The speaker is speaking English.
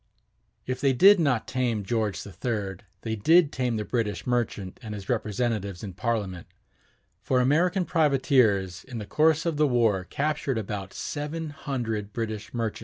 If they did not tame George III, they did tame the British merchant and his representatives in Parliament; for American privateers in the course of the war captured about seven hundred British merchantmen.